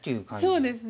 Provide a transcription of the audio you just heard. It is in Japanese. そうですね。